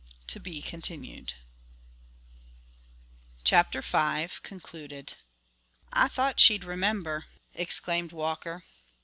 (To be continued.) CHAPTER V.–(Concluded) "I thought she'd remember," exclaimed Walker.